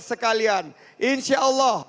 sekalian insya allah